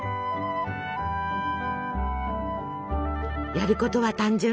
やることは単純。